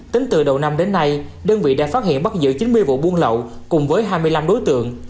tính từ đầu năm đến nay đơn vị đã phát hiện bắt giữ chín mươi vụ buôn lậu cùng với hai mươi năm đối tượng